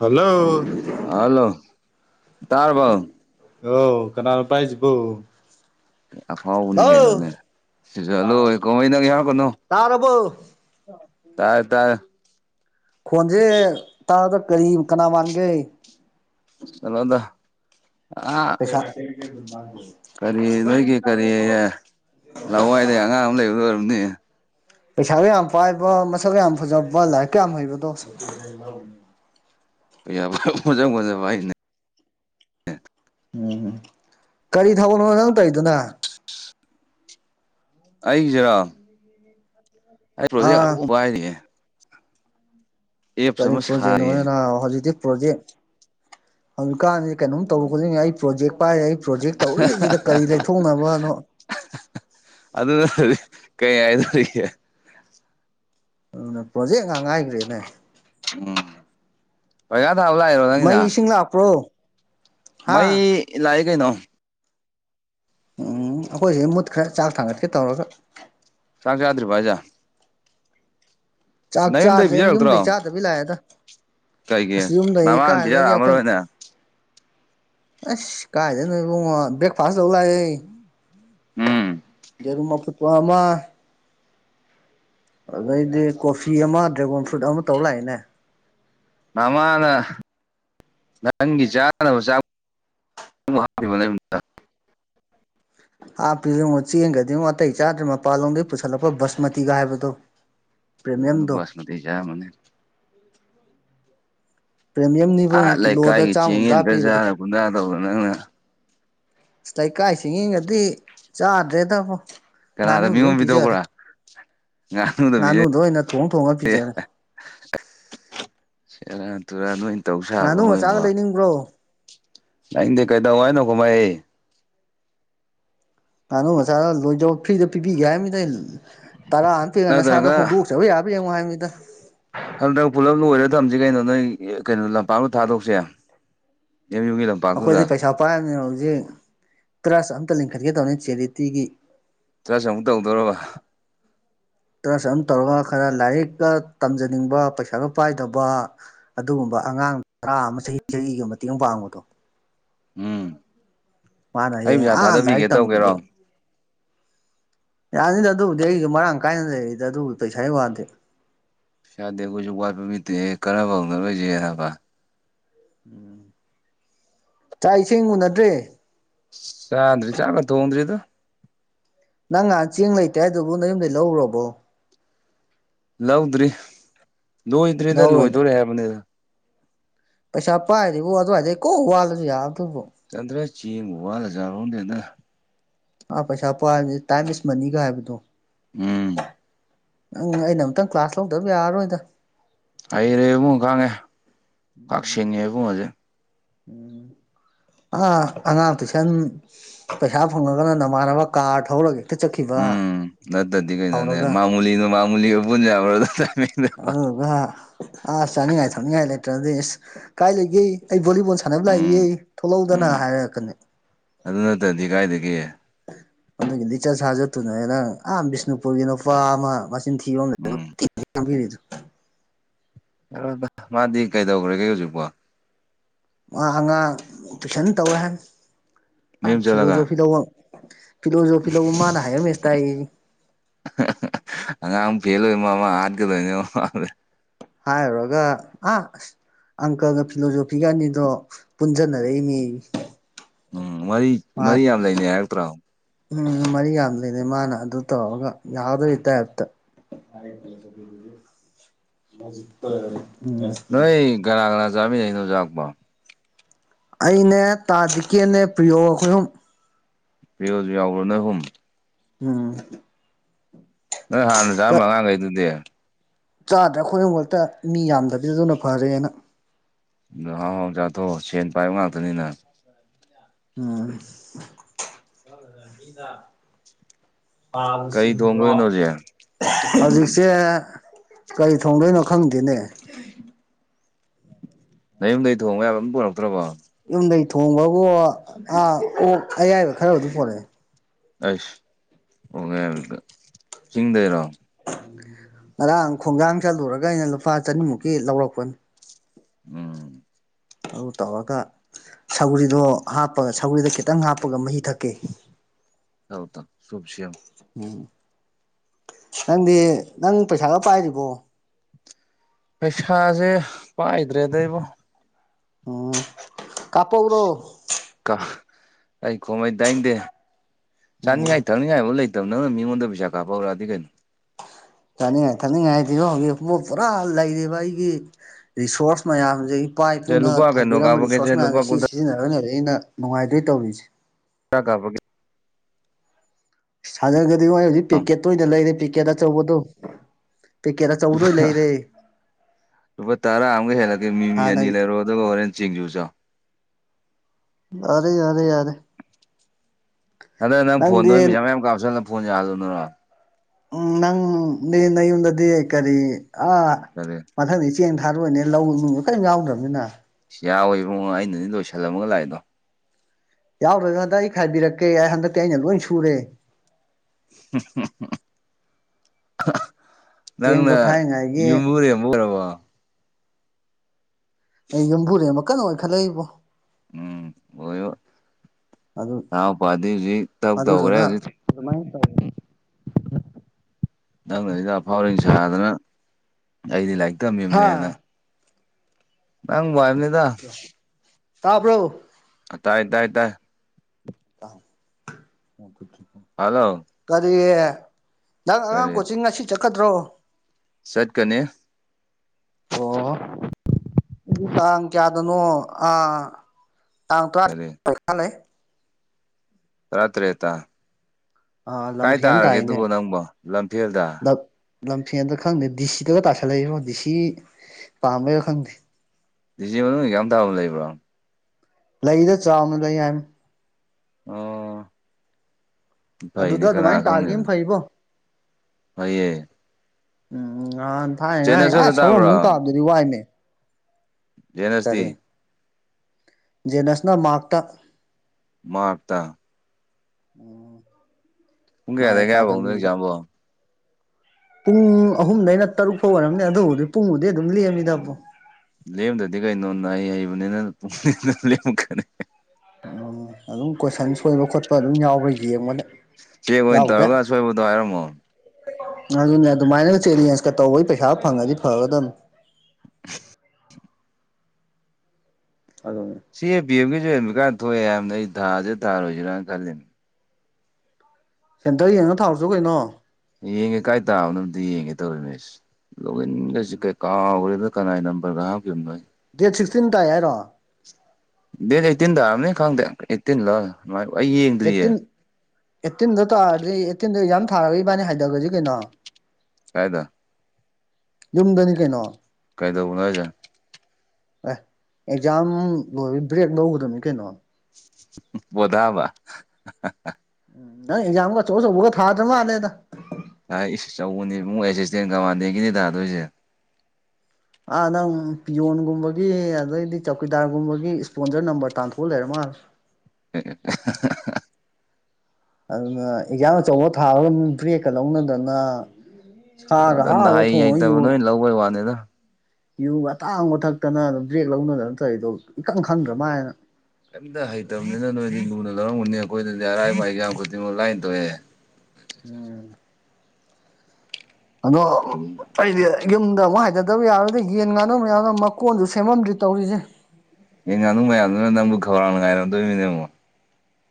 hello hello ꯇꯥꯔꯕꯣ ꯑꯣ ꯀꯅꯥꯅꯣ ꯄꯥꯏꯁꯤꯕꯨ ꯑꯐꯥꯎꯕꯅꯤ ꯀꯩꯅꯣꯅꯦ ꯁꯤꯖꯂꯣꯏ ꯅꯪ ꯌꯥꯎꯔꯛꯀꯅꯣ ꯇꯥꯔꯕꯣ ꯇꯥꯏꯌꯦ ꯇꯥꯏꯌꯦ ꯈꯣꯟꯖꯦ ꯇꯥꯕꯗ ꯀꯔꯤ ꯀꯅꯥ ꯃꯥꯟꯒꯦ ꯆꯠꯂꯣꯗꯥ ꯄꯩꯁꯥ ꯀꯔꯤ ꯅꯣꯏꯒꯤ ꯀꯔꯤ ꯑꯌꯦ ꯂꯋꯥꯏꯗꯩ ꯑꯉꯥꯡ ꯑꯃ ꯂꯩꯕꯗꯨ ꯑꯣꯏꯔꯝꯅꯤ ꯄꯩꯁꯥꯒ ꯌꯥꯝ ꯄꯥꯏꯕ ꯃꯁꯛꯀ ꯌꯥꯝ ꯐꯖꯕ ꯂꯥꯏꯔꯤꯛꯀ ꯌꯥꯝ ꯍꯩꯕꯗꯣ ꯀꯩ ꯍꯥꯏꯕ ꯃꯁꯛ ꯐꯖꯕ ꯍꯥꯏꯖꯤꯅꯦ ꯎꯝ ꯀꯔꯤ ꯊꯕꯛꯅꯣ ꯅꯪ ꯇꯧꯔꯤꯗꯨꯅ ꯑꯩꯖꯤꯔꯣ [inaudible] ꯑꯩ ꯄ꯭ꯔꯣꯖꯦꯛ ꯑꯔꯨꯕ ꯄꯥꯏꯔꯤꯌꯦ ꯀꯔꯤ ꯑꯃ ꯄ꯭ꯔꯣꯖꯦꯛꯅꯣꯅꯦ ꯁꯥꯔꯤꯌꯦ ꯅꯥꯕ ꯍꯧꯖꯤꯛꯇꯤ ꯄ꯭ꯔꯣꯖꯦꯛ ꯍꯧꯖꯤꯛꯀꯥꯟꯗꯤ ꯀꯩꯅꯣꯝ ꯇꯧꯔꯨ ꯈꯨꯗꯤꯡꯒꯤ ꯑꯩ ꯄ꯭ꯔꯣꯖꯦꯛ ꯄꯥꯏꯔꯤ ꯑꯩ ꯄ꯭ꯔꯣꯖꯦꯛ ꯇꯧꯔꯤꯖꯤꯗ ꯀꯔꯤ ꯂꯩꯊꯣꯛꯅꯕꯅꯣ ꯑꯗꯨ ꯅꯠꯇ꯭ꯔꯗꯤ ꯀꯩ ꯍꯥꯏꯗꯣꯔꯤꯒꯦ ꯑꯗꯨꯅ ꯄ꯭ꯔꯣꯖꯦꯛ ꯉꯥꯛ ꯉꯥꯏꯒ꯭ꯔꯦꯅꯦ ꯎꯝ ꯄꯩꯈꯥ ꯊꯥꯕ ꯂꯥꯛꯏꯔꯣ ꯅꯪ ꯁꯤꯗ ꯅꯪ ꯂꯥꯛꯄ꯭ꯔꯣ ꯍꯥ ꯃꯩ ꯂꯥꯛꯏ ꯀꯩꯅꯣ ꯎꯝ ꯑꯩꯈꯣꯏꯖꯤꯗ ꯃꯨꯠꯈ꯭ꯔꯦ ꯆꯥꯛ ꯊꯥꯡꯒꯠꯀꯦ ꯇꯧꯔꯒ ꯆꯥꯛ ꯆꯥꯗ꯭ꯔꯤꯕ ꯍꯥꯏꯖꯦ ꯆꯥꯛ ꯅꯌꯨꯝꯗꯩ ꯆꯥꯗ꯭ꯔꯦ ꯑꯩ ꯄꯤꯖꯔꯛꯇ꯭ꯔꯣ ꯌꯨꯝꯗꯩ ꯆꯥꯗꯕꯤ ꯂꯥꯛꯑꯦꯗ ꯀꯩꯒꯤ ꯑꯁ ꯌꯨꯝꯗꯒꯤ ꯅꯃꯥꯅ ꯀꯥꯏꯗꯒꯤ ꯑꯩꯈꯣꯏ ꯄꯤꯖꯔꯛꯑꯝꯃꯔꯣꯏꯅꯦ ꯑꯁ ꯀꯥꯏꯗꯩꯅꯣ ꯏꯕꯨꯡꯉꯣ ꯕꯦꯛꯐꯥꯁ ꯇꯧ ꯂꯥꯛꯑꯦꯍꯦ ꯎꯝ ꯌꯦꯔꯨꯝ ꯑꯐꯨꯠꯄ ꯑꯃ ꯑꯗꯩꯗꯤ ꯀꯣꯐꯤ ꯑꯃ ꯗ꯭ꯔꯦꯒꯣꯟ ꯐ꯭ꯔꯨꯠ ꯑꯃ ꯇꯧꯔ ꯂꯥꯛꯑꯦꯅꯦ ꯅꯃꯥꯅ ꯅꯪꯒꯤ ꯆꯥꯅꯕ ꯆꯥꯛ [unintelligible] ꯍꯥꯞꯄꯤ ꯏꯕꯨꯡꯉꫭ ꯆꯦꯡꯒꯗꯤꯉꫭ ꯑꯇꯩ ꯆꯥꯗ꯭ꯔꯦ ꯃꯄꯥꯟꯂꯣꯝꯗꯩ ꯄꯨꯁꯜꯂꯛꯄ ꯕ꯭ꯁꯃꯇꯤꯒ ꯍꯥꯏꯕꯗꯣ [inaudible] ꯍꫭꯏꯔꫭꯡꯗ ꯕꯥ꯭ꯁꯃꯇꯤ ꯆꯥꯔꯝꯃꯅꯤ ꯄ꯭ꯔꯦꯃꯤꯌꯝꯅꯤ ꯑꯥ ꯏꯕꯨꯡꯉꫭ ꯀꯤꯂꯣꯗ ꯂꯩꯀꯥꯏꯒꯤ ꯆꯥꯝꯍꯨꯝꯗ꯭ꯔꯥ ꯆꯦꯡꯌꯦꯟ ꯈꯔ ꯄꯤꯕꯗꯣ ꯆꯥꯔ ꯒꯨꯟꯗꯥ ꯇꯧꯗꯅ ꯅꯪꯅ ꯂꯩꯀꯥꯏ ꯆꯦꯡꯌꯦꯟꯒꯗꯤ ꯆꯥꯗ꯭ꯔꯦꯗ ꯑꯍꯣ ꯀꯅꯥꯗ ꯉꯥꯅꯨꯗꯣ ꯃꯤꯉꯣꯟ ꯑꯣꯏ ꯄꯤꯖꯔꯦ ꯄꯤꯊꯣꯛꯄ꯭ꯔꯥ ꯉꯥꯅꯨꯗ ꯄꯤꯖꯩ ꯉꯥꯅꯨꯗꯣ ꯑꯣꯏꯅ ꯊꯣꯡ ꯊꯣꯡꯉ ꯄꯤꯖꯔꯦ ꯁꯦꯔꯥꯟ ꯇꯨꯔꯥꯟ ꯅꯣꯏ ꯇꯧ ꯁꯥꯕ ꯑꯃ ꯏꯕꯣ ꯏꯪꯕ꯭ꯔꯣ ꯅꯅꯤꯡꯗꯦ ꯀꯩꯗꯧ ꯍꯥꯏꯅꯣ ꯈꯨꯃꯩ ꯉꯥꯅꯨ ꯃꯆꯥꯗ ꯂꯣꯏꯖꯧ ꯐ꯭ꯔꯤꯗ ꯄꯤꯕꯤꯒꯦ ꯍꯥꯏꯝꯅꯤꯗꯜ ꯇꯔꯥ ꯑꯃ ꯄꯤꯔ ꯅꯁꯥꯗꯣ ꯅꯠꯇ꯭ꯔꯒ ꯍꯧꯗꯣꯛ ꯇꯕ ꯌꯥꯕ꯭ꯔꯥ ꯌꯦꯡꯉꯣ ꯍꯥꯏꯝꯅꯤꯗ ꯍꯟꯗꯛ ꯄꯨꯂꯞ ꯂꯣꯏꯔ ꯊꯝꯁꯤ ꯀꯩꯅꯣ ꯅꯣꯏ ꯀꯩꯅꯣ ꯂꯝꯄꯥꯛꯗꯣ ꯊꯥꯗꯣꯛꯁꯦ ꯑꯦꯝ ꯌꯨꯒꯤ ꯂꯝ ꯑꯈꯣꯏꯗꯤ ꯄꯩꯁꯥ ꯄꯥꯏꯔꯝꯅꯤꯅ ꯍꯧꯖꯤꯛ ꯇ꯭ꯔꯁ ꯑꯝꯇ ꯂꯤꯡꯈꯠꯀꯦ ꯇꯧꯅꯤ ꯆꯦꯔꯤꯇꯤꯒꯤ ꯇ꯭ꯔꯁ ꯑꯃꯨꯛ ꯇꯧꯗꯧꯔꯕ ꯇ꯭ꯔꯁ ꯑꯃ ꯇꯧꯔꯒ ꯈꯔ ꯂꯥꯏꯔꯤꯛꯀ ꯇꯝꯖꯅꯤꯡꯕ ꯄꯩꯁꯥꯒ ꯄꯥꯏꯗꯕ ꯑꯗꯨꯒꯨꯝꯕ ꯑꯉꯥꯡ ꯇꯔꯥ ꯑꯃ ꯆꯍꯤ ꯆꯍꯤꯒꯤ ꯃꯇꯦꯡ ꯄꯥꯡꯕꯗꯣ ꯎꯝ ꯃꯥꯅ ꯑꯩ ꯍꯌꯦꯡ ꯄꯩꯁꯥ ꯑꯥ ꯂꯥꯏꯔꯤꯛ ꯊꯥꯗꯕꯤꯒꯦ ꯇꯧꯒꯦꯔꯣ ꯇꯝꯅꯤꯡꯕꯧ ꯌꯥꯅꯤꯗ ꯑꯗꯨꯕꯨꯗꯤ ꯑꯩꯒꯤ ꯃꯔꯥꯡ ꯀꯥꯏꯅ ꯂꯩꯔꯤꯗ ꯑꯗꯨꯕꯨ ꯄꯩꯁꯥ ꯋꯥꯗꯤ ꯌꯥꯗꯦ ꯑꯈꯣꯏꯖꯨ ꯋꯥꯠꯄ ꯃꯤꯠꯇꯦꯍꯦ ꯈꯅꯕ ꯍꯧꯅꯔꫭꯏꯖꯦꯍꯦ ꯅꯥꯕ ꯆꯥꯛ ꯏꯁꯤꯡ ꯎꯅꯗ꯭ꯔꯤ ꯆꯥꯗ꯭ꯔꯤ ꯆꯥꯛꯀ ꯊꫭꯡꯗ꯭ꯔꯤꯗ ꯅꯪ ꯅꯍꯥꯟ ꯆꯦꯡ ꯂꯩꯇꯦ ꯍꯥꯏꯗꯨꯕꯨ ꯅꯌꯨꯝꯗꯩ ꯂꯧꯔꯨꯔꯕꯣ ꯂꯧꯗ꯭ꯔꯤ ꯂꯣꯏꯗ꯭ꯔꯦꯗ ꯂꯧꯔꯣꯏꯗ ꯂꯣꯏꯗꯣꯔꯦ ꯍꯥꯏꯕꯅꯦꯗ ꯄꯩꯁꯥ ꯄꯥꯏꯔꯤꯕꯨ ꯑꯗ꯭ꯋꯥꯏꯗꯩ ꯀꯣꯛ ꯋꯥꯜꯂꯖꯨ ꯌꯥꯕꯗꯨꯕꯨ ꯇꯟꯗ꯭ꯔ ꯆꯦꯡꯕꯨ ꯋꯥꯜꯂ ꯆꯥꯕ ꯍꯧꯟꯅꯗꯦꯗ ꯃꯥ ꯄꯩꯁꯥ ꯄꯥꯕꯅꯤ ꯇꯥꯏꯝ ꯏꯁ ꯃꯅꯤꯒ ꯍꯥꯏꯕꯗꯣ ꯎꯝ ꯅꯪ ꯑꯩꯅ ꯑꯃꯨꯛꯇꯪ ꯀ꯭ꯂꯥꯁ ꯂꯧꯗꯕ ꯌꯥꯔꯔꯣꯏꯗ ꯍꯩꯔꯦ ꯏꯕꯨꯡꯉꫭ ꯈꯥꯡꯉꯦ ꯀꯥꯛ ꯁꯤꯡꯉꯦ ꯏꯕꯨꯡꯉꯣ ꯍꯧꯖꯤꯛ ꯎꯝ ꯑ ꯑꯉꯥꯡ ꯇꯨꯏꯁꯟ ꯄꯩꯁꯥ ꯐꯪꯉꯒꯅ ꯅꯃꯥꯟꯅꯕ ꯀꯥꯔ ꯊꯧꯔꯒꯦ ꯎꯝ ꯅꯠꯇꯗꯤ ꯀꯩꯅꫭꯅꯦ ꯍꯧꯔꯒ ꯃꯥꯃꯨꯂꯤꯅ ꯃꯥꯃꯨꯂꯤꯒ ꯕꯨꯟ ꯌꯥꯕ꯭ꯔꯗꯣ ꯑꯗꯨꯗꯨꯒ ꯑ ꯆꯥꯅꯤꯡꯉꯥꯏ ꯊꯛꯅꯤꯡꯉꯥꯏ ꯂꯩ ꯇ꯭ꯔꯗꯤ ꯑꫯꯁ ꯀꯥꯏ ꯂꯩꯒꯦ ꯑꯩ ꯕꯣꯂꯤꯕꯣꯜ ꯁꯥꯟꯅꯕ ꯂꯥꯛꯏꯌꯦ ꯎꯝ ꯊꯣꯛꯂꯧꯗꯅ ꯎꯝ ꯍꯥꯏꯔꯛꯀꯅꯤ ꯑꯗꯨ ꯅꯠꯇꯗꯤ ꯀꯥꯏꯗꯒꯤ ꯑꯗꯨꯒꯤ ꯂꯤꯆꯠ ꯁꯥꯖꯠꯇꯨꯅꯦ ꯅꯪ ꯑ ꯕꯤꯁꯅꯨꯄꯨꯔꯒꯤ ꯅꯨꯄꯥ ꯑꯃ ꯃꯁ ꯆꯤꯟꯊꯤꯕ ꯎꯝ ꯑꯃꯝꯗ [inaudible] ꯔꯤꯗꯨ ꯃꯥꯗꯤ ꯀꯩꯗꯧꯒ꯭ꯔꯒꯦ ꯍꯧꯖꯤꯛꯄꯣ ꯃꯥ ꯑꯉꯥꯡ ꯇꯨꯏꯁꯟ ꯇꯧꯋꯦ ꯍꯥꯏꯕꯅꯤ ꯑ ꯃꯌꯨꯝ ꯆꯠꯂꯒ ꯐꯤꯂꯣꯖꯣꯐꯤ ꯂꯧꯕ ꯐꯤꯂꫭꯖꯣꯐꯤ ꯂꯧꯕ ꯃꯥꯅ ꯍꯥꯌꯔꯃꯦꯁ ꯇꯥꯛꯑꯦꯌꯦ ꯑꯉꯥꯡ ꯐꯦꯜ ꯑꯣꯏ ꯃꯃꯥ ꯍꯥꯠꯀꯗꯣꯏꯅꯦ ꯌꯦꯡꯉꫭ ꯃꯥꯕꯨꯗꯤ ꯍꯥꯏꯔꯨꯔꯒ ꯑꯥ ꯑꯪꯀꯒ ꯐꯤꯂꯣꯖꯣꯐꯤꯒ ꯑꯅꯤꯗꯣ ꯄꯨꯟꯖꯟꯅꯔꯛꯏꯅꯦꯌꯦ ꯎꯝ ꯋꯥꯔꯤ ꯃꯔꯤ ꯌꯥꯝ ꯂꯩꯅꯩ ꯍꯥꯏꯔꯛꯇ꯭ꯔꯣ ꯎꯝ ꯃꯔꯤ ꯌꯥꯝ ꯂꯩꯅꯩ ꯃꯥꯅ ꯑꯗꯨ ꯇꯧꯔꯒ ꯌꯥꯎ ꯗꯕꯩ ꯇꯥꯏꯞꯇ [unintelligible] ꯅꯣꯏ ꯀꯅꯥ ꯀꯅꯥ ꯆꯥꯃꯤꯟꯅꯩꯅꯣ ꯆꯥꯛꯄꯣ ꯑꯅꯦ ꯇꯥꯗꯤꯀꯦꯅꯦ ꯄ꯭ꯔꯤꯌꯣ ꯑꯩꯈꯣꯏ ꯑꯍꯨꯝ ꯄ꯭ꯔꯤꯌꯣꯁꯨ ꯌꯥꯎꯕ꯭ꯔꯣ ꯅꯣꯢ ꯑꯍꯨꯝ ꯎꯝ ꯅꯣꯏ ꯍꯥꯟꯅ ꯀ ꯆꯥꯔꯝꯕ ꯑꯉꯥꯡꯈꯩꯗꯨꯗꯤ ꯆꯥꯗ꯭ꯔꯦ ꯑꯩꯈꯣꯏ ꯑꯍꯨꯝ ꯈꯥꯛꯇ ꯃꯤ ꯌꯥꯝꯗꯕꯁꯤꯅ ꯐꯔꯦꯅ ꯑꯗꯣ ꯍꯥꯎ ꯍꯥꯎꯅ ꯆꯥꯊꯣꯛꯑꯣ ꯁꯦꯟ ꯄꯥꯏꯕ ꯉꯥꯛꯇꯅꯤꯅ ꯎꯝ ꯄꯥꯕ ꯀꯔꯤ ꯆꯤꯡꯕ꯭ꯔꯣ ꯊꯣꯡꯗꯣꯏꯅꯣ ꯍꯧꯖꯤꯛ [inaudible] ꯍꯧꯖꯤꯛꯁꯦ ꯀꯔꯤ ꯊꯣꯡꯗꯣꯏꯅꯣ ꯈꯪꯗꯦꯅꯦ ꯅꯌꯨꯝꯗꯩ ꯊꯣꯡꯕ ꯌꯥꯕ ꯑꯝ ꯄꯨꯔꯛꯇ꯭ꯔꯕꯣ ꯌꯨꯝꯗꯩ ꯊꯣꯡꯕꯕꫭ ꯑ ꯑꯣꯛ ꯑꯌꯥꯏꯕ ꯈꯔꯕꯨꯗꯤ ꯄꫭꯔꯛꯑꯦ ꯑꯩꯁ ꯑꫭꯛ ꯑꯌꯥꯏꯕꯗꯣ ꯆꯤꯡꯗꯩꯔꯣ ꯉꯔꯥꯡ ꯈꯣꯡꯖꯥꯡ ꯆꯠꯂꯨꯔꯒ ꯑꯩꯅ ꯂꯨꯄꯥ ꯆꯅꯤꯃꯨꯛꯀꯤ ꯂꯧꯔꯛꯄꯅꯤ ꯎꯝ ꯑꯗꯨ ꯇꯧꯔꯒ ꯁꯧꯒ꯭ꯔꯤꯗꯣ ꯍꯥꯞꯄꯒ ꯁꯧꯒ꯭ꯔꯤꯗ ꯈꯤꯇꯪ ꯍꯥꯞꯄꯒ ꯃꯍꯤ ꯊꯛꯀꯦ ꯇꯧ ꯇꯧ ꯆꯨꯞ ꯁꯦꯝꯃꯣ ꯎꯝ ꯅꯪꯗꯤ ꯅꯪ ꯄꯩꯁꯥꯒ ꯄꯥꯏꯔꯤꯕꯣ ꯄꯩꯁꯥꯖꯦ ꯄꯥꯏꯗ꯭ꯔꯦꯗ ꯏꯕꯣ ꯀꯞꯄꯥꯛ ꯎꯔꯣ ꯀꯥꯞ ꯍꯩ ꯈꯣꯝꯃꯩ ꯇꯥꯅꯤꯡꯗꯦ ꯎꯝ ꯆꯥꯅꯤꯡꯉꯥꯏ ꯊꯥꯛꯅꯤꯡꯉꯥꯢ ꯊꯛꯅꯤꯡꯉꯥꯏꯕ ꯂꯩꯇꯕ ꯅꯪ ꯃꯤꯉꯣꯟꯗ ꯄꯩꯥꯁꯥ ꯀꯥꯟꯄꯥꯛꯎꯔꯗꯤ ꯀꯩꯅꯣ ꯆꯥꯅꯤꯡꯉꯥꯏ ꯊꯛꯅꯤꯡꯉꯥꯏꯁꯤ ꯍꯧꯖꯤꯛ ꯄꯨꯔꯥ ꯂꯩꯔꯤꯕ ꯑꯩꯒꯤ ꯔꯤꯁꯣꯔꯁ ꯃꯌꯥꯝꯁꯤ ꯏꯄꯥ ꯁꯦ ꯏꯄꯨꯅ ꯂꯨꯄꯥ ꯀꯩꯅꯣ ꯊꯝꯕꯤꯔꯝꯕ ꯀꯥꯞꯄꯒꯦ ꯁꯦ ꯔꯤꯁꯣꯔꯁ ꯃꯌꯥꯝꯁꯦ ꯂꯨꯄꯥ ꯁꯤ ꯀꯨꯟꯊ꯭ꯔꯥ ꯁꯤꯖꯤꯟꯅꯔꯅꯦ ꯑꯩꯅ ꯅꯨꯡꯉꯥꯏꯗꯣꯏ ꯇꯧꯔꯤꯁꯦ ꯇ ꯀꯕꯦ [inaudible] ꯁꯥꯟꯅꯔꯒꯗꯤ ꯍꯣꯏ ꯍꯧꯖꯤꯛ ꯄꯦꯛꯀꯦꯠꯇ ꯑꯣꯏꯅ ꯂꯩꯔꯦ ꯄꯦꯛꯀꯦꯠ ꯑꯆꯧꯕꯗꯣ ꯄꯦꯛꯀꯦꯠ ꯑꯆꯧꯕꯗ ꯑꯣꯏ ꯂꯩꯔꯦ ꯂꯨꯄꯥ ꯇꯔꯥ ꯑꯃꯒ ꯍꯦꯜꯂꯛꯒꯦ ꯃꯤ ꯃꯤ ꯑꯅꯤ ꯍꯥꯟꯅꯒꯤ ꯂꯩꯔꯣ ꯑꯗꯨꯒ ꯑꯣꯔꯦꯟ ꯆꯦꯡꯖꯨ ꯆꯥꯎ ꯑꯔꯦ ꯌꯥꯔꯦ ꯌꯥꯔꯦ ꯍꯟꯗꯛ ꯅꯪ ꯐꯣꯟꯗꯣꯏ ꯅꯪꯗꯤ ꯄꯩꯥꯁꯥ ꯃꯌꯥꯝ ꯀꯞꯁꯜꯂ ꯅꯪ ꯐꯣꯟ ꯌꯥꯍꯜꯂꯨꯅꯣꯔꯣ ꯎꯝ ꯅꯪ ꯗꯤ ꯅꯌꯨꯝꯗꯗꯤ ꯀꯔꯤ ꯑ ꯀꯔꯤ ꯃꯊꯪꯗꯤ ꯆꯦꯡ ꯊꯥꯔꯨꯔꯣꯏꯅꯦ ꯂꯧ ꯅꯨꯡ ꯀꯔꯤꯝ ꯌꯥꯎꯗ꯭ꯔꯝꯅꯤꯅ ꯌꯥꯎꯋꯦ ꯏꯕꯨꯡꯉꯣ ꯑꯩꯅꯅꯤ ꯂꯣꯏꯁꯤꯜꯂꯝꯃꯒ ꯂꯥꯛꯏꯗꯣ ꯌꯥꯎꯗꯔꯖꯨ ꯍꯟꯗꯛ ꯑꯩ ꯈꯥꯏꯕꯤꯔꯛꯀꯦ ꯑꯩ ꯍꯟꯗꯛꯇꯤ ꯑꯩꯅ ꯂꯣꯏꯟ ꯁꯨꯔꯦ ꯆꯦꯡꯗꯣ ꯅꯪꯅ ꯊꯥꯏꯉꯥꯏꯒꯤ ꯌꯨꯝꯕꯨꯔꯦꯝ ꯑꯩ ꯌꯨꯝꯕꯨꯨꯔꯦꯝꯕ ꯀꯟꯅ ꯑꯣꯏꯈꯜꯂꯛꯏꯕꯣ ꯎꯝ ꯑꯣꯏꯌꯣ ꯑꯗꯨ ꯅꯅꯥꯎꯄꯗꯤ ꯍꯧꯖꯤꯛ ꯊꯕꯛ ꯇꯧꯒ꯭ꯔꯦ ꯍꯧꯖꯤꯛ ꯑꯗꯨꯃꯥꯏ ꯇꯧꯏ ꯅꯪꯅ ꯁꯤꯗꯥ ꯑꯐꯥꯎꯑꯔꯤꯡ ꯁꯥꯗꯅ ꯑꯩꯗꯤ ꯂꯥꯏꯔꯤꯛ ꯇꯝꯃꯤꯝꯅꯦꯅ ꯍꯥ ꯅꯪꯕꯨ ꯍꯥꯏꯝꯅꯤꯗ ꯇꯥꯕ꯭ꯔꯣ ꯑꯥ ꯇꯥꯏ ꯇꯥꯏ ꯇꯥꯏ ꯍ [inaudible] ꯍꯥꯜꯂꯣ ꯀꯔꯤꯌꯦ ꯅꯪ ꯑꯉꯥꯡ ꯀꯣꯆꯤꯡ ꯉꯁꯤ ꯆꯠꯀꯗ꯭ꯔꯣ ꯆꯠꯀꯅꯤ ꯑꯣ ꯑꯗꯨ ꯇꯥꯡ ꯀꯌꯥꯗꯅꯣ ꯑꯥ ꯇꯥꯡ ꯇꯔꯥꯗ ꯀꯔꯤ ꯄꯩꯈꯥ ꯂꯩ ꯇꯔꯥꯇꯔꯦꯠꯇ ꯑꯥ ꯀꯥꯏ ꯂꯝꯐꯦꯟ ꯇꯥꯔꯒꯦ ꯇꯥꯏꯅꯦ ꯑꯗꯨꯕꯣ ꯅꯪꯕꯣ ꯂꯝꯐꯦꯜꯗ ꯂꯝꯐꯦꯟꯗ ꯈꯪꯗꯦ ꯗꯤ ꯁꯤꯗꯒ ꯇꯥꯁꯜꯂꯛꯏꯕꯣ ꯗꯤ ꯁꯤ ꯄꯥꯝꯝꯕꯩꯔ ꯈꯪꯗꯦ ꯗꯤꯖꯤ ꯃꯅꯨꯡꯗ ꯑꯦꯛꯖꯥꯝ ꯊꯥꯕ ꯂꯩꯕ꯭ꯔꯣ ꯂꯩꯗ ꯆꯥꯎꯅ ꯂꯩ ꯍꯥꯏꯝꯅꯤ ꯑꯣ ꯐꯩꯅꯦ ꯑꯗꯨꯗ ꯑꯗꯨꯃꯥꯏꯅ ꯀꯅꯥ ꯇꯥꯒꯤ ꯈꯪꯗꯣꯏꯅꯣ ꯑꯃ ꯐꯩꯕꯣ ꯍꯣꯏꯌꯦ ꯎꯝ ꯉꯍꯥꯟ ꯊꯥꯏ ꯉꯥꯏ ꯖꯦꯅꯁꯁꯨ ꯑ ꯑꯗ ꯇꯥꯕ꯭ꯔꯣ ꯁꯑꯣꯝꯃꯨꯡ ꯇꯥꯕꯗꯨꯗꯤ ꯋꯥꯏꯅꯦ ꯖꯦꯅꯁꯇꯤ ꯀꯔꯤ ꯖꯦꯅꯦꯁꯅ ꯃꯥꯔ꯭ꯛꯇ ꯃꯥꯥꯛꯇ ꯎꯝ ꯄꯨꯡ ꯃꯥ ꯀꯌꯥꯗꯒꯤ ꯀꯌꯥꯐꯧꯅꯣ ꯑꯦꯀꯥꯗꯃꯤꯗ ꯑꯦꯛꯖꯥꯝꯕꯣ ꯄꯨꯡ ꯑꯍꯨꯝꯗꯩꯅ ꯇꯔꯨꯛ ꯐꯥꯎ ꯑꯣꯏꯔꯝꯅꯦ ꯑꯗꯨꯕꯨꯗꯤ ꯄꯨꯡꯕꯨꯗꯤ ꯑꯗꯨꯝ ꯂꯦꯝꯃꯤꯗꯕꯣ ꯂꯦꯝꯗꯗꯤ ꯀꯩꯅꯣ ꯅꯍꯩ ꯍꯩꯕꯅꯤꯅ ꯄꯨꯡ ꯂꯦꯝꯃꯛꯀꯅꯤ ꯎꯝ ꯑꯗꯨꯝ ꯀꯣꯏꯁꯟ ꯁꯣꯏꯕ ꯈꯣꯠꯄ ꯑꯗꯨꯝ ꯌꯥꯎꯕ꯭ꯔ ꯌꯦꯡꯉꯣꯟꯅ ꯆꯦꯛ ꯑꯣꯏꯅ ꯇꯧꯔꯒ ꯑꯁꯣꯏꯕꯗꯣ ꯍꯥꯏꯔꯝꯃꯣ ꯑꯗꯨꯅꯦ ꯑꯗꯨꯃꯥꯏꯅꯒ ꯆꯦꯂꯦꯟꯖꯀ ꯇꯧꯕꯒꯤ ꯄꯩꯁꯥꯒ ꯐꯪꯉꯗꯤ ꯐꯒꯗꯝꯕꯅꯤ ꯑꯗꯨꯝ ꯁꯤ ꯑꯦ ꯄꯤ ꯑꯦꯝꯒꯤꯖꯨ ꯑꯦꯠꯃꯤꯀꯥꯠ ꯊꯣꯛꯑꯦ ꯍꯥꯏꯝꯅꯦ ꯑꯩ ꯊꯥꯖꯤꯔ ꯊꯥꯔꯣꯏꯖꯤꯔꯥꯅ ꯈꯜꯂꯤꯅꯦ ꯁꯦꯟꯇꯔ ꯌꯦꯡꯉ ꯊꯥꯎꯆꯣ ꯀꯩꯅꯣ ꯌꯦꯡꯒꯦ ꯀꯥꯏ ꯇꯥꯕꯅꯣ ꯑꯝꯇ ꯌꯦꯡꯒꯦ ꯇꯧꯔꯤꯅꯦꯁ ꯂꯣꯛꯏꯟꯒꯁꯤ ꯀ ꯀꯥꯎꯒꯔꯦꯗ ꯀꯅꯥꯏ ꯅꯝꯕꯔꯒ ꯍꯥꯞꯈꯤꯕꯅꯣ ꯑꯩ ꯗꯦꯠ ꯁꯤꯛꯁꯇꯤꯟ ꯇꯥꯏ ꯍꯥꯏꯔꯣ ꯗꯦꯠ ꯑꯩꯠꯇꯤꯟꯗ ꯍꯥꯏꯕꯅꯤ ꯈꯪꯗꯦ ꯑꯩꯠꯇꯤꯟ ꯂ ꯑꯗꯨꯃꯥꯏ ꯑꯩ ꯌꯦꯡꯗ꯭ꯔꯤꯌꯦ ꯑꯦꯠꯇꯤꯟꯗꯣ ꯇꯥꯔꯗꯤ ꯑꯦꯠꯇꯤꯟꯗ ꯑꯦꯛꯌꯥꯝ ꯊꯥꯔꯒ ꯏꯕꯥꯅꯤ ꯍꯥꯏꯗꯈ꯭ꯔꯁꯤ ꯀꯩꯅꯣ ꯀꯥꯏꯗ ꯌꯨꯝꯗꯅꯤ ꯀꯩꯅꯣ ꯀꯩꯗꯧꯕꯅꯣ ꯍꯥꯏꯖꯦ ꯑꯦ ꯑꯦꯛꯖꯥꯝ ꯂꯣꯏꯕꯩ ꯕ꯭ꯔꯦꯛ ꯂꯧꯒꯗꯕꯅꯤ ꯀꯩꯅꯣ ꯕꯣꯗꯥꯥꯕ ꯅꯪ ꯑꯦꯛꯖꯥꯝꯒꯆꯧ ꯑꯆꯧꯕꯒ ꯊꯗ꯭ꯔꯧ ꯃꯥꯜꯂꯦꯗ ꯍꯥꯏ ꯏꯁ ꯑꯆꯧꯕꯅꯤꯕꯛ ꯑꯦꯁꯤꯁꯇꯦꯟ ꯀꯃꯥꯟꯗꯦꯟꯒꯤꯅꯤ ꯇ ꯑꯗꯨꯣꯏꯁꯦ ꯑꯥ ꯅꯪ ꯄꯤꯌꯣꯟꯒꯨꯝꯕꯒꯤ ꯑꯗꯩꯗꯤ ꯆꯧꯀꯤꯗꯥꯔꯒꯨꯝꯕꯒꯤ ꯏꯁꯄꯣꯟꯖꯔ ꯅꯝꯕꯔ ꯇꯥꯟꯊꯣꯛꯑ ꯂꯩꯔ ꯃꯥꯜꯂꯦ [unintelligible] ꯑꯗꯨꯅ ꯑꯦꯛꯖꯥꯝ ꯑꯆꯧꯕ ꯊꯥꯕ ꯕ꯭ꯔꯦꯛꯀ ꯂꯧꯅꯗꯅ ꯁꯥꯔ ꯑ ꯊꯣꯡꯉ ꯌ ꯏ ꯋꯥꯅꯦꯅ ꯌꯨ ꯑꯇꯥꯡꯕ ꯊꯛꯇꯅ ꯑꯗꯨꯝ ꯕ꯭ꯔꯦꯛ ꯂꯧꯅꯗ ꯅꯠꯇꯔꯤꯗꯣ ꯏꯀꯪ ꯈꯪꯗ꯭ꯔ ꯃꯥ ꯍꯥꯏꯅ ꯀꯩꯝꯇ ꯍꯩꯇꯕꯅꯤꯅ ꯅꯣꯏꯗꯤ ꯂꯨꯅ ꯂꯧꯔꯝꯒꯨꯅꯤ ꯑꯩꯈꯣꯏꯗꯗꯤ ꯑꯔꯥꯏꯕ ꯍ ꯑꯩ ꯀ ꯌꯥꯝ ꯈꯨꯗꯤꯠꯇꯡꯃꯣ ꯂꯥꯏꯅ ꯇꯧꯋꯦ ꯎꯝ ꯍꯂꯣ ꯑꯩꯗꯤ ꯌꯨꯝꯗ ꯑꯃꯨꯛ ꯍꯥꯏꯊꯗꯕ ꯌꯥꯔꯣꯏꯗꯤ ꯌꯦꯟ ꯉꯥꯅ ꯌꯥꯅꯕ ꯃꯀꯣꯟꯗꯨ ꯁꯦꯝꯃꯝꯗ꯭ꯔꯤ ꯇꯧꯔꯤꯁꯦ ꯃꯤ ꯉꯥꯅꯨ ꯃꯌꯥꯝꯗꯨꯅ ꯅꯪꯕꯨ ꯧꯔꯥꯡꯅ ꯉꯥꯏꯔꯝꯗꯣꯏꯅꯤꯅꯦꯕꯣ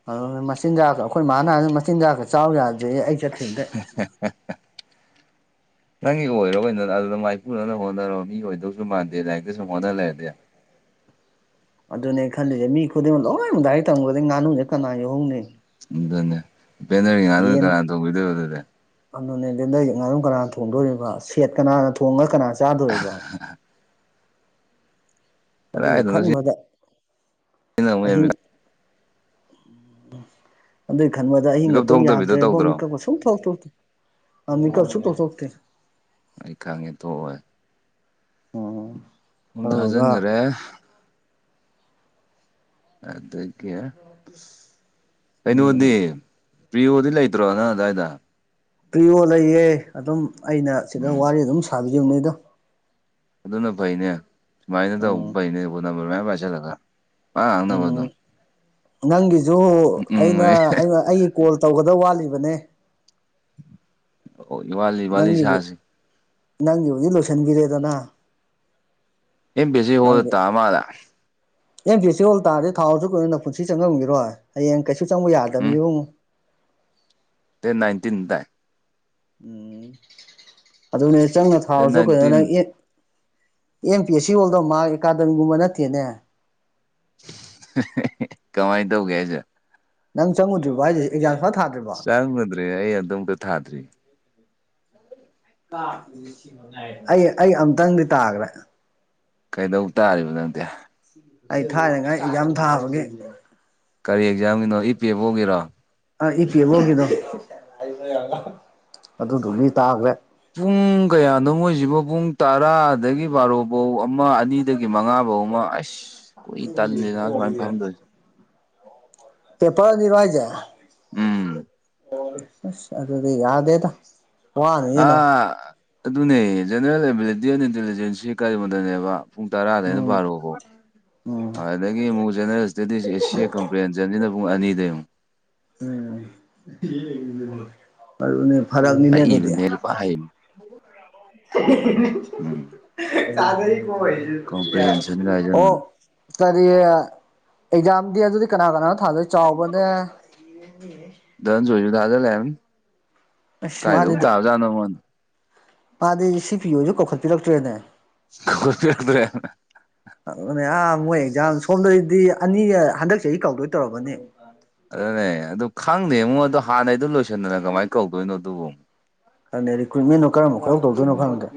ꯑꯗꯨ ꯃꯆꯤꯟꯖꯥꯛ ꯑꯩꯈꯣꯏ ꯃꯥꯥꯟꯅꯅ ꯃꯆꯤꯟꯖꯥꯛꯀ ꯆꯥꯎ ꯌꯥꯗ꯭ꯔꯦ ꯑꯩ ꯆꯠꯈꯤꯕꯗꯩ ꯍ ꯍ ꯅꯪꯒꯤ ꯑꯣꯏꯔ ꯑꯣꯏꯅ ꯑꯗꯨꯗ ꯃꯥꯏꯄꯨꯅ ꯍꯣꯠꯅꯔꯣ ꯃꯤ ꯑꯣꯏꯗꯧꯁꯨ ꯃꯥꯟꯗꯦ ꯂꯥꯏꯔꯤꯛꯇ ꯁꯨꯝ ꯍꯣꯠꯅ ꯂꯩꯔꯗꯤ ꯑꯗꯨꯅꯦ ꯈꯜꯂꯤꯁꯦ ꯃꯤ ꯈꯨꯗꯤꯡꯃꯛ ꯂꯣꯏꯅꯃꯛ ꯗꯥꯏꯔꯤꯛ ꯇꯝꯈ꯭ꯔꯗꯗꯤ ꯉꯥꯅꯨꯁꯦ ꯀꯅꯥ ꯌꯧꯍꯧꯅꯤ ꯎ ꯑꯗꯨꯅꯦ ꯄꯦꯟꯅꯔꯤ ꯉꯥꯗꯨꯅ ꯌꯦꯟ ꯀꯅꯥꯅ ꯇꯧꯕꯤꯗꯣꯏꯕ ꯑꯗꯨꯗꯤ ꯑꯗꯨꯅꯦ ꯑꯗꯨꯗ ꯉꯥꯔꯨꯝ ꯀꯅꯥ ꯊꯣꯡꯗꯣꯔꯤꯕ ꯁꯦꯠ ꯀꯅꯥꯅ ꯊꯣꯡꯉꯒ ꯀꯅꯥ ꯆꯥꯗꯣꯔꯤꯕ ꯑꯗꯨꯒꯤ ꯀꯗꯥꯏꯗꯅꯣ ꯈꯟꯕꯗ ꯁꯤꯅ ꯑꯃꯨꯛ ꯑꯍꯤꯡ ꯍꯦꯟꯅ ꯎ ꯑꯗꯨꯏ ꯈꯟꯕꯗ ꯃꯤꯀꯞ ꯑꯍꯤꯡꯒꯇꯪ ꯊꯣꯛꯇꯕꯤꯗꯣ ꯌꯥꯗ꯭ꯔꯦꯕꯣ ꯃꯤ ꯇꯧꯗ꯭ꯔꯣ ꯀꯛꯄ ꯁꯨꯡꯊꯣꯛ ꯊꯣꯛꯇꯦ ꯃꯤꯀꯞ ꯎꯝ ꯁꯨꯡꯊꯣꯛ ꯊꯣꯛꯇꯦ ꯑꯩ ꯈꯪꯉꯦ ꯇꯣꯛꯑꯣꯏ ꯎꯝ ꯑꯝꯇ ꯑꯗꯨꯗꯨꯒ ꯊꯥꯖꯤꯟꯈ꯭ꯔꯦ ꯑꯗꯀꯌꯥ ꯑꯩꯅ ꯎꯝ ꯃꯅꯤ ꯄ꯭ꯔꯤꯌꯣꯗꯤ ꯂꯩꯇ꯭ꯔꯣ ꯅꯪ ꯑꯋꯥꯏꯗ ꯄ꯭ꯔꯤꯌꯣ ꯂꯩꯌꯦ ꯑꯗꯨꯝ ꯑꯩꯅ ꯁꯤꯗ ꯎꯝ ꯋꯥꯔꯤ ꯑꯗꯨꯝ ꯁꯥꯕꯤꯕꯅꯤ ꯑꯗꯣ ꯑꯗꯨꯅ ꯐꯩꯅꯦ ꯁꯨꯃꯥꯏꯅ ꯇꯧꯕ ꯎꯝ ꯐꯩꯅꯦ ꯑꯩꯣꯟ ꯅꯝꯕꯔ ꯃꯌꯥꯝ ꯄꯥꯏꯁꯤꯜꯂꯒ ꯃꯥ ꯍꯥꯡꯅꯕ ꯎꯝ ꯑꯗꯨꯝ ꯅꯪꯒꯤꯁꯨ ꯎꯝ ꯑꯩꯅ ꯑꯩꯒꯤ ꯀꯣꯜ ꯇꯧꯒꯗꯕ ꯋꯥꯠꯂꯤꯕꯅꯦ ꯑꯣ ꯏ ꯋꯥꯂꯤ ꯏ ꯋꯥꯂꯤ ꯅꯪꯒꯤꯕꯨ ꯁꯥꯁꯤꯦ ꯅꯪꯒꯤꯕꯨꯗꯤ ꯂꯣꯏꯁꯤꯟꯕꯤꯔꯦꯗꯅ ꯑꯦ ꯕꯤꯖꯤ ꯍꯗ ꯇ ꯃꯥꯗ ꯑꯦꯦꯝ ꯐꯦꯁꯇꯤꯚꯦꯜ ꯇꯥꯔꯗꯤ ꯊꯥꯎꯔꯁꯨ ꯀꯨꯏꯅ ꯄꯨꯟꯁꯤ ꯆꯪꯉꯝꯈꯤꯔꯣꯏ ꯍꯌꯦꯡ ꯀꯩꯁꯨ ꯆꯪꯕ ꯌꯥꯗꯕꯅꯤ ꯎꯝ ꯏꯕꯨꯡ ꯅꯥꯏꯟꯇꯤꯟ ꯇ ꯎꯝ ꯑꯗꯨꯅꯦ ꯆꯪꯅ ꯗꯦꯠ ꯊꯥꯔꯁꯨ ꯑꯩꯈꯣꯏꯅ ꯅꯥꯏꯟꯇꯤꯟ ꯅꯪ A M P S C ꯍꯣꯜꯗꯣ ꯃꯥ ꯑꯦꯀꯥꯗꯃꯤꯛꯒꯨꯝꯕ ꯅꯠꯇꯦꯅꯦ ꯀꯃꯥꯏ ꯇꯧꯒꯦꯁꯦ ꯅꯪꯉꯗ꯭ꯔꯤꯕꯣꯁꯦ ꯑꯦꯛꯖꯥꯝ ꯊꯗꯔꯤꯕ ꯆꯪꯉꯨꯗ꯭ꯔꯦ ꯑꯩ ꯑꯗꯨꯝꯇ ꯊꯥꯗ꯭ꯔꯤ [inaudible] ꯑꯩ ꯑꯩ ꯑꯝꯇꯪꯗꯤ ꯇꯥꯈ꯭ꯔꯦ ꯀꯩꯗꯧ ꯇꯥꯔꯤꯕ ꯅꯪꯗꯤꯦ ꯑꯩ ꯊꯥꯏꯔꯤꯉꯥꯏ ꯌꯥꯝ ꯊꯥꯕꯒꯤ ꯀꯔꯤ ꯑꯦꯛꯖꯥꯝꯒꯤꯅꯣ ꯏ ꯄꯤ ꯑꯦꯐ ꯑꯣ ꯑꯣꯏꯒꯤꯔꯣ ꯑ ꯏ ꯄꯤ ꯑꯦꯜ ꯑꯣꯒꯤꯗꯣ ꯑꯗꯨꯗꯨꯝ ꯃꯤ ꯇꯥꯈ꯭ꯔꯦ ꯄꯨꯡ ꯀꯌꯥꯅꯣ ꯃꯣꯏꯁꯤꯕꯨ ꯄꯨꯡ ꯇꯔꯥꯗꯒꯤ ꯕꯥꯔꯣꯕꯧ ꯑꯃ ꯑꯅꯤ ꯑꯗꯨꯒꯤ ꯃꯉꯥꯐꯧ ꯑꯃ ꯑꯁ ꯀꯨꯏ ꯇꯜꯜꯂꯤꯦꯗꯅ ꯁꯨꯃꯥꯏꯅ ꯐꯝꯗꯣꯏꯁꯦ ꯄꯦꯄꯔ ꯅꯤꯔꯚ ꯍꯥꯏꯖꯦ ꯎꯝ ꯑꯁ ꯑꯗꯨꯗꯤ ꯌꯥꯗꯦ ꯇ ꯑꯗꯨꯅꯦ ꯖꯦꯅꯔꯦꯜ ꯑꯦꯕꯤꯂꯤꯇꯤ ꯑꯦꯟ ꯏꯟꯇꯦꯂꯤꯖꯦꯟꯁꯁꯤ ꯀꯔꯤꯒꯣꯗꯅꯦꯕ ꯄꯨꯡ ꯇꯔꯥꯗꯩꯅ ꯎꯝ ꯄꯥꯔꯛꯑꯣꯕꯣ ꯎꯝ ꯑꯗꯒꯤ ꯑꯃꯨꯛ ꯆꯦꯟꯅꯔꯁꯤ ꯑꯗꯨꯗꯤ ꯁꯤ ꯑꯦ ꯀꯝꯄ꯭ꯂꯦꯟꯁꯦ ꯑꯅꯤꯅ ꯄꯨꯡ ꯑꯅꯤꯗ ꯑꯃꯨꯛ ꯎ ꯑꯗꯨꯅꯦ ꯐꯔꯛꯅꯤꯅꯦ ꯑꯗꯨꯗꯤ ꯏꯅꯦꯔ ꯄ ꯍꯥꯏ ꯎꯝ ꯀꯝꯄ꯭ꯔꯤꯍꯦꯟꯁꯟ ꯑꯣ ꯍꯥꯏꯖꯟꯅ ꯀꯔꯤ ꯑꯦꯛꯖꯥꯝꯗꯤ ꯑꯗꯨꯗꯤ ꯀꯅꯥ ꯀꯅꯥꯅꯣ ꯊꯥꯗꯣꯏ ꯆꯥꯎꯕꯅꯦ ꯎ ꯗꯟꯁꯨꯖꯨ ꯊꯥꯗꯂꯦ ꯂꯩꯔꯝꯅꯤ ꯑꯁ ꯀꯥꯏꯗꯕꯨ ꯃꯥꯗꯤꯗꯤ ꯇꯥꯕꯖꯥꯅ ꯃꯅ ꯃꯥꯗꯤ ꯁꯤ ꯄꯤꯌꯣꯁꯨ ꯀꯧꯈꯠꯄꯤꯔꯛꯇ꯭ꯔꯦꯅꯦ ꯀꯧꯈꯠꯄꯤꯔꯛꯇ꯭ꯔꯦ ꯅꯦ ꯑꯥ ꯃꯣꯏ ꯑꯦꯛꯖꯥꯝ ꯁꯣꯝꯗꯗꯤ ꯑꯅꯤ ꯍꯟꯗꯛ ꯆꯍꯤ ꯀꯧꯗꯣꯏ ꯇꯧꯔꯕꯅꯦ ꯑꯗꯨꯅꯦ ꯑꯗꯨ ꯈꯪꯗꯦ ꯏꯕꯨꯡꯣ ꯑꯗ ꯍꯥꯟꯅꯩꯗꯣ ꯂꯣꯏꯁꯤꯟꯗꯅ ꯀꯃꯥꯏꯅ ꯀꯧꯗꯣꯏꯅꯣ ꯑꯗꯨꯕꯨ ꯑꯗꯨꯪꯅ ꯔꯤꯀ꯭ꯔꯨꯏꯠꯃꯟꯅꯣ ꯀꯔꯝꯕ ꯈꯔꯧꯗꯣꯏꯅꯣ ꯈꯪꯗꯦ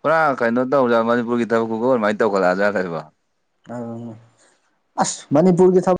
ꯄꯨꯔꯥ ꯀꯩꯅꯣ ꯇꯧꯔ ꯃꯅꯤꯄꯨꯔꯒꯤ ꯊꯕꯛ ꯈꯨꯨꯀꯣ ꯑꯗꯨꯃꯥꯏꯅ ꯇꯧꯈꯠꯂꯛꯑꯖꯥ ꯍꯥꯏꯕ ꯑ ꯑꯁ ꯃꯅꯤꯄꯨꯔꯒꯤ ꯊꯕꯛ